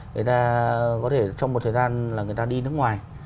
người ta có thể trong một thời gian là người ta đi nước ngoài